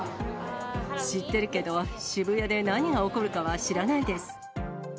知ってるけど、渋谷で何が起こるかは知らないです。